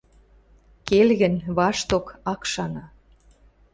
Келгӹн, вашток ак шаны.